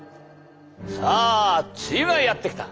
さあ梅雨がやって来た！